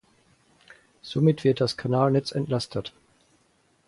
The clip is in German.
Somit wird das Kanalnetz entlastet.